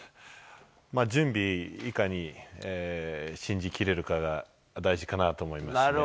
準備、いかに信じ切れるかが大事かなと思いますね。